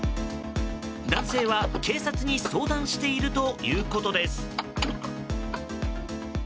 男性は警察に相談しているということです。